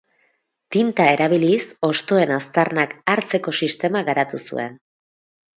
Tinta erabiliz hostoen aztarnak hartzeko sistema garatu zuen.